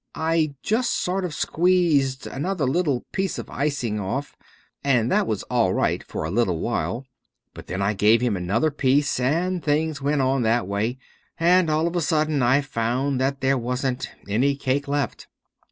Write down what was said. I just sort of squeezed another little piece of icing off, and that was all right, for a little while; but then I had to give him another piece, and things went on that way, and all of a sudden I found that there wasn't any cake left.